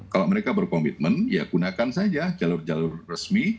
kalau mereka berkomitmen ya gunakan saja jalur jalur resmi